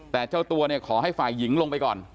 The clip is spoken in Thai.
แต่เจ้าตัวเนี่ยขอให้ฝ่ายหญิงลงไปก่อน